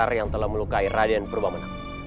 akhirnya kita pernah mengalami kolonial pasukan bersakit